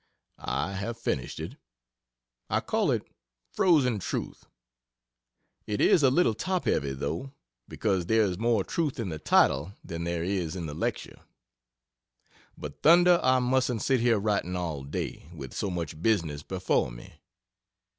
I have finished it, I call it "Frozen Truth." It is a little top heavy, though, because there is more truth in the title than there is in the lecture. But thunder, I mustn't sit here writing all day, with so much business before me.